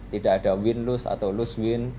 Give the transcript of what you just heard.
tidak ada win lose atau lose win